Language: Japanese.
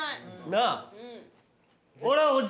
なあ。